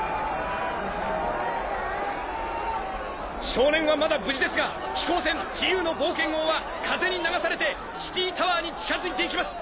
少年はまだ無事ですが飛行船自由の冒険号は風に流されてシティータワーに近づいて行きます！